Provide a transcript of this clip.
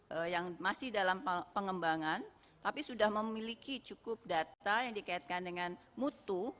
ada yang masih dalam pengembangan tapi sudah memiliki cukup data yang dikaitkan dengan mutu